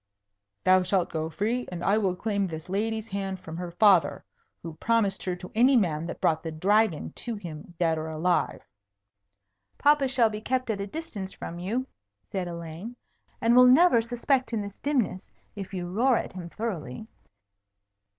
"Thou shalt go free, and I will claim this lady's hand from her father, who promised her to any man that brought the Dragon to him dead or alive." "Papa shall be kept at a distance from you," said Elaine, "and will never suspect in this dimness, if you roar at him thoroughly."